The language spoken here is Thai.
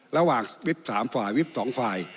ระหว่างวิบสามฝ่ายวิบสองฝ่าย